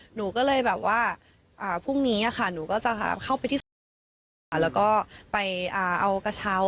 หนูก็เลยแบบว่าพรุ่งนี้อ่ะค่ะหนูก็จะเข้าไปที่แล้วก็ไปเอากระเช้า